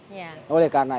ya oleh karena